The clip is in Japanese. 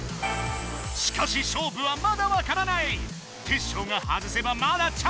しかし勝負はまだわからない。